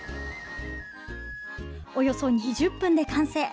およそ２０分で完成。